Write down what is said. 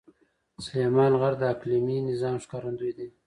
سلیمان غر د اقلیمي نظام ښکارندوی دی.